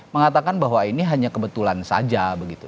mengatakan bahwa ini hanya kebetulan saja begitu